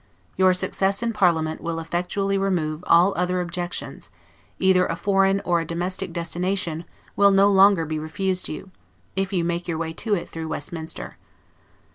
Your success in parliament will effectually remove all OTHER OBJECTIONS; either a foreign or a domestic destination will no longer be refused you, if you make your way to it through Westminster.